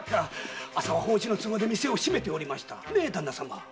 〔朝は法事の都合で店を閉めておりました〕